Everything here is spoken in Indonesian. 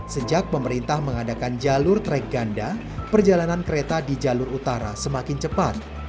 sejak pemerintah mengadakan jalur track ganda perjalanan kereta di jalur utara semakin cepat